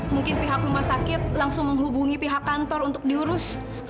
mungkin pihak rumah sakit langsung menghubungi pihak kantor untuk diurus